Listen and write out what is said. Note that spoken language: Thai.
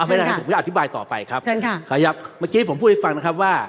เอาไม่ได้ครับผมจะอธิบายต่อไปครับสวัสดีครับ